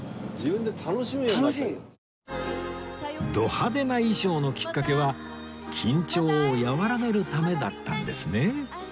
ド派手な衣装のきっかけは緊張を和らげるためだったんですね